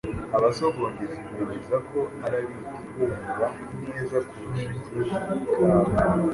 Abasogongezi bemeza ko Arabika ihumura neza kurusha izindi kawa.